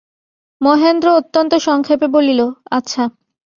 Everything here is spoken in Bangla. মহেন্দ্র অত্যন্ত সংক্ষেপে বলিল, আচ্ছা।